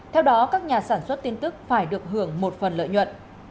theo đó các nhà sản xuất tin tức phải được hưởng một phần lợi nhuận